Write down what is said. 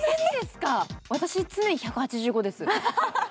私、常に１８５です。